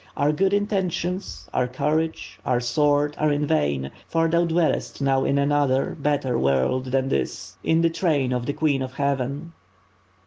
Our good intentions, our courage, our sword are in vain, for thou dwellest now in another, better world than this; in the train of the Queen of Heaven."